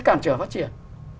cản trở phát triển